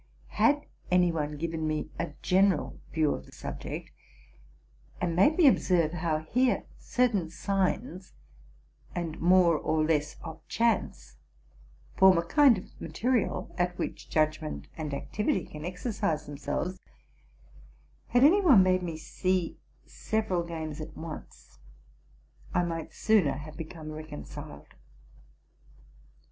Had any one given me a general view of the subject, and made me observe how here certain signs and more or less of chance form a kind of ma terial, at which judgment and activity can exercise them selves ; had any one made me see several games at once, — I might sooner have become reconciled.